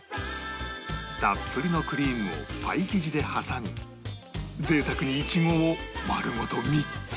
たっぷりのクリームをパイ生地で挟み贅沢にいちごを丸ごと３つ！